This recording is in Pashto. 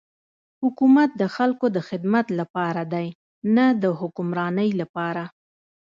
حکومت د خلکو د خدمت لپاره دی نه د حکمرانی لپاره.